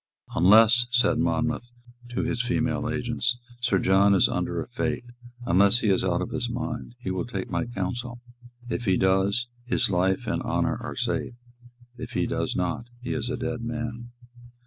"Unless," said Monmouth to his female agents, "Sir John is under a fate, unless he is out of his mind, he will take my counsel. If he does, his life and honour are safe. If he does not, he is a dead man."